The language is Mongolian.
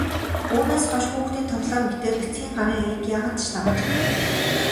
Гэвч үүнээс хойш хүүхдийн тоглоом мэтээр эцгийн гарын аяыг яагаад ч дагаж чадахгүй.